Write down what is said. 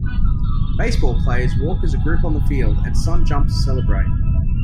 Baseball players walk as a group on the field, and some jump to celebrate.